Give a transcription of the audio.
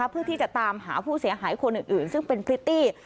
เพื่อที่จะตามหาผู้เสียหายคนอื่นซึ่งเป็นพริตตี้